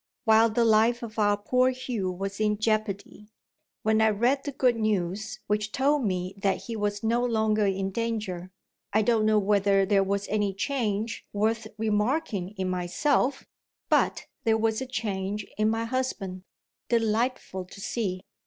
while the life of our poor Hugh was in jeopardy. When I read the good news which told me that he was no longer in danger, I don't know whether there was any change worth remarking in myself but, there was a change in my husband, delightful to see.